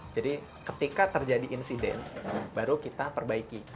jadi ketika terjadi insiden baru kita perbaiki